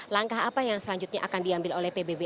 langkah apa yang selanjutnya akan diambil oleh pbb